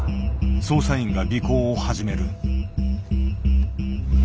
捜査員が尾行を始める。